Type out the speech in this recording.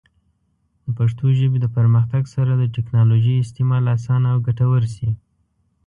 د پښتو ژبې د پرمختګ سره، د ټیکنالوجۍ استعمال اسانه او ګټور شي.